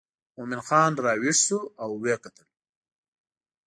مومن خان راویښ شو او وکتل.